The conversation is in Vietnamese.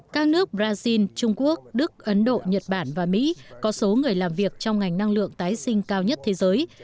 các nước brazil trung quốc đức ấn độ nhật bản và mỹ có số người làm việc trong ngành năng lượng tái sinh cao nhất thế giới